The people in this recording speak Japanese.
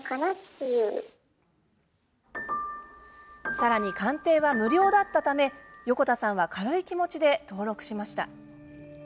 さらに、鑑定は無料だったため横田さんは軽い気持ちで登録しました。